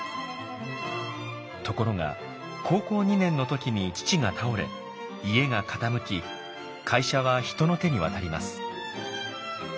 ところが高校２年の時に父が倒れ家が傾き会社は人の手に渡ります。